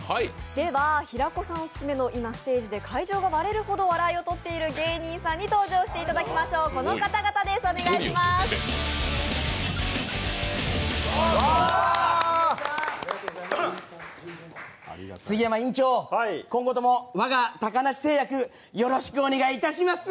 では平子さんオススメの今、ステージで会場が割れるほど笑いをとっている芸人さんに登場していただきましょう、この方々です、お願いします。